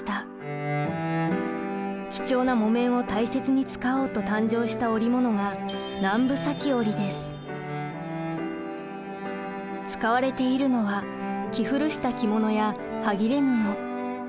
貴重な木綿を大切に使おうと誕生した織物が使われているのは着古した着物やはぎれ布。